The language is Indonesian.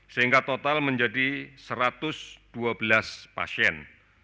sehingga total menjadi satu ratus dua belas pasien